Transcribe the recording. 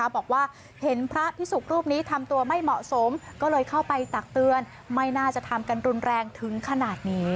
บอกว่าเห็นพระพิสุกรูปนี้ทำตัวไม่เหมาะสมก็เลยเข้าไปตักเตือนไม่น่าจะทำกันรุนแรงถึงขนาดนี้